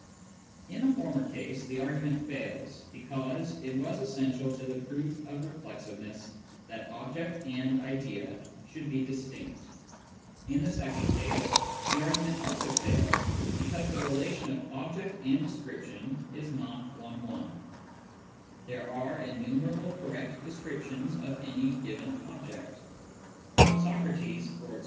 In the former case the argument fails, because it was essential to the proof of reflexiveness that object and idea should be distinct. In the second case the argument also fails, because the relation of object and description is not 140 Introduction to Mathematical Philosophy one one : there are innumerable correct descriptions of any given object. Socrates (e.g.)